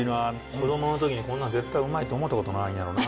子供の時にこんなん絶対うまいと思ったことないんやろな。